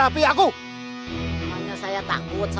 sampai jumpa di video selanjutnya